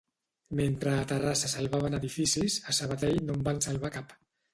Mentre a Terrassa salvaven edificis, a Sabadell no en van salvar cap.